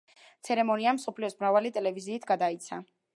ცერემონია მსოფლიოს მრავალი ტელევიზიით გადაიცა.